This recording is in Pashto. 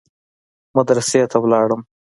مدرسې ته ولاړم.